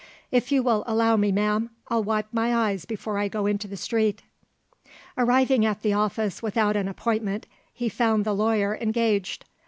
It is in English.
"If you will allow me, ma'am, I'll wipe my eyes before I go into the street." Arriving at the office without an appointment, he found the lawyer engaged.